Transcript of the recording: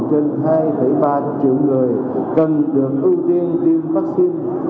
trên hai ba triệu người cần được ưu tiên tiêm vaccine